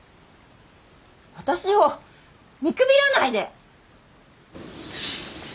私を見くびらないで！